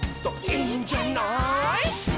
「いいんじゃない」